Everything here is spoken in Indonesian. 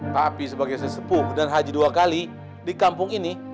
tapi sebagai sesepuh dan haji dua kali di kampung ini